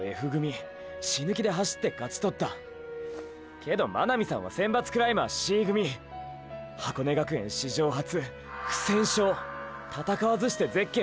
けど真波さんは選抜クライマーＣ組箱根学園史上初不戦勝戦わずしてゼッケンを勝ちとった。